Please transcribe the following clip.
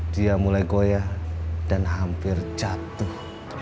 dia mulai goyah dan hampir jatuh